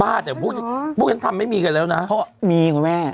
บ้าแต่พวกพวกยังทำไม่มีกันแล้วนะเพราะว่ามีคุณแม่